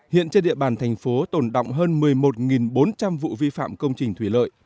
hiện trên địa bàn thành phố tồn động hơn một mươi một bốn trăm linh vụ vi phạm công trình thủy lợi